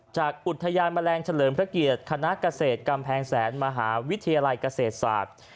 จากอุทยานแมลงเฉลิมพระเกียรติคณะเกษตรกำแพงแสนมหาวิทยาลัยเกษตรศาสตร์